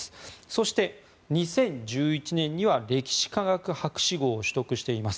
そして、２０１１年には歴史科学博士号を取得してます。